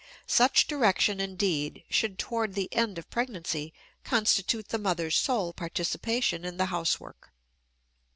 Such direction, indeed, should, toward the end of pregnancy, constitute the mother's sole participation in the housework.